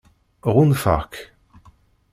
Ɣunfaɣ-k.